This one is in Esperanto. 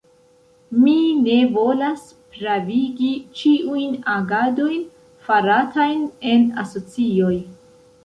Mi ne volas pravigi ĉiujn agadojn faratajn en asocioj.